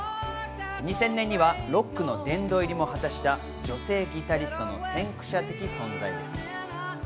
２０００年にはロックの殿堂入りも果たした女性ギタリストの先駆者的存在です。